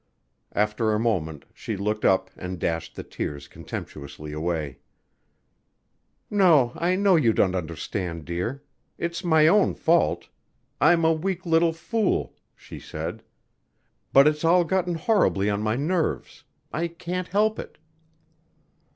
After a moment she looked up and dashed the tears contemptuously away. "No, I know you don't understand, dear. It's my own fault. I'm a weak little fool," she said, "But it's all gotten horribly on my nerves. I can't help it."